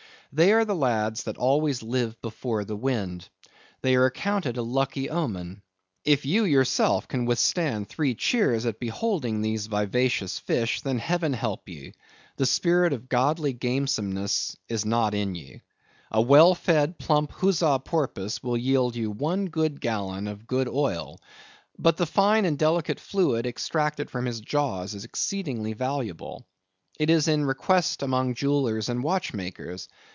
They are the lads that always live before the wind. They are accounted a lucky omen. If you yourself can withstand three cheers at beholding these vivacious fish, then heaven help ye; the spirit of godly gamesomeness is not in ye. A well fed, plump Huzza Porpoise will yield you one good gallon of good oil. But the fine and delicate fluid extracted from his jaws is exceedingly valuable. It is in request among jewellers and watchmakers.